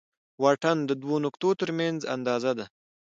واټن د دوو نقطو تر منځ اندازه ده.